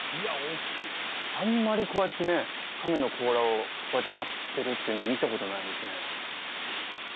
あんまりこうやってね亀の甲羅をこうやって祭ってるっていうのは見たことないですね